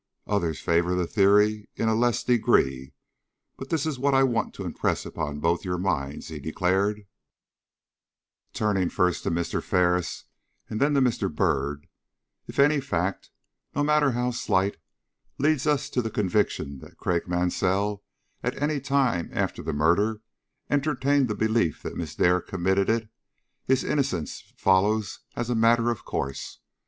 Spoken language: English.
Others favor the theory in a less degree, but this is what I want to impress upon both your minds," he declared, turning first to Mr. Ferris and then to Mr. Byrd: "_If any fact, no matter how slight, leads us to the conviction that Craik Mansell, at any time after the murder, entertained the belief that Miss Dare committed it, his innocence follows as a matter of course.